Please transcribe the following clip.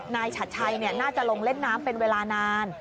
ฉัดชัยน่าจะลงเล่นน้ำเป็นเวลานาน